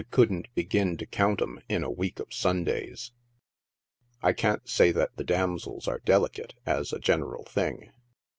19 couldn't begin to count 'em in a week of Sundays. I can't say that the damsels are delicate, as a general thing.